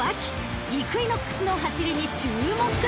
［イクイノックスの走りに注目！］